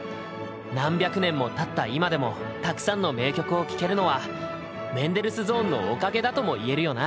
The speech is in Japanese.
何百年もたった今でもたくさんの名曲を聴けるのはメンデルスゾーンのおかげだとも言えるよな。